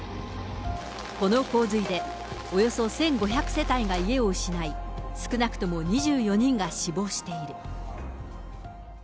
この洪水でおよそ１５００世帯が家を失い、少なくとも２４人が死亡している。